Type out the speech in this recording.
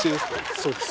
そうです。